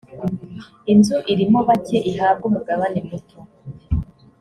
inzu irimo bake ihabwe umugabane muto.